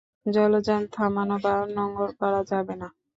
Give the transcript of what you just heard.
জলযান থামানো বা নোঙর করা যাবে না।